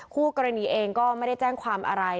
คู่กรณีเองก็ไม่ได้แจ้งความอะไร